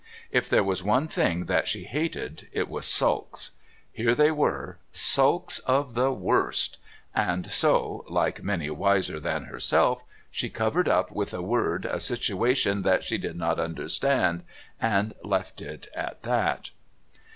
If there was one thing that she hated, it was sulks. Here they were, sulks of the worst and so, like many wiser than herself, she covered up with a word a situation that she did not understand, and left it at that.